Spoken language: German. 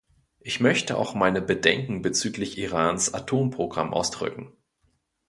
Ich möchte auch meine Bedenken bezüglich Irans Atomprogramm ausdrücken.